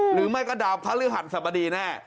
หรือไม่ก็ดาวพระฤหัสสบดีแน่